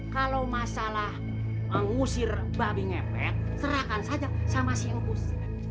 kalau masalah ngusir babi ngepet serahkan saja saya masih ngupus